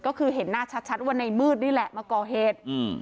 ก็คือเห็นหน้าชัดชัดว่าในมืดนี่แหละมาก่อเหตุอืม